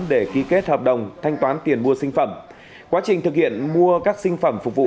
để ký kết hợp đồng thanh toán tiền mua sinh phẩm quá trình thực hiện mua các sinh phẩm phục vụ